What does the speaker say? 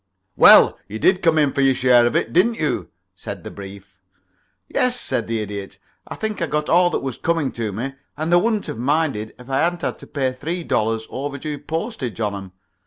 "Well, you did come in for your share of it, didn't you?" said Mr. Brief. "Yes," said the Idiot, "I think I got all that was coming to me, and I wouldn't have minded it if I hadn't had to pay three dollars over due postage on 'em.